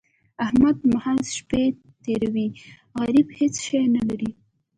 احمد محض شپې تېروي؛ غريب هيڅ شی نه لري.